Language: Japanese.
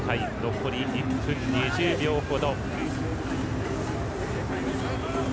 残り１分２０秒ほど。